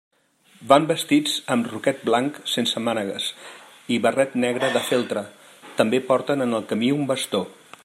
Van vestits amb roquet blanc sense mànegues i barret negre de feltre, també porten en el camí un bastó.